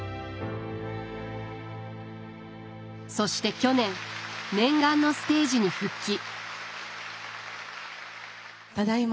そして去年念願のステージに復帰。